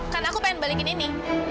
karena aku pengen balikin ini